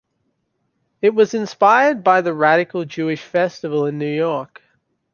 It was inspired by the Radical Jewish Festival in New York.